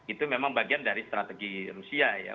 itu memang bagian dari strategi rusia ya